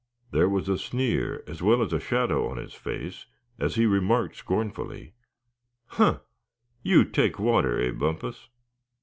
There was a sneer, as well as a shadow on his face, as he remarked scornfully: "Huh! you take water, eh, Bumpus?"